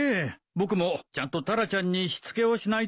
僕もちゃんとタラちゃんにしつけをしないと。